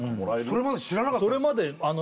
それまで知らなかったんですか？